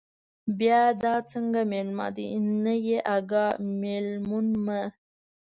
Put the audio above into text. بیا دا څنگه مېلمه دے، نه يې اگاه، مېلمون مه